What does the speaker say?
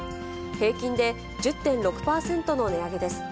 平均で１０．６％の値上げです。